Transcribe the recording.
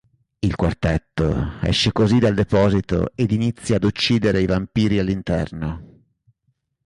Il quartetto esce così dal deposito ed inizia ad uccidere i vampiri all'interno.